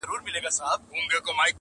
بولي یې د خدای آفت زموږ د بد عمل سزا!.